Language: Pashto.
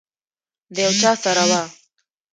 د یو چا سره وه.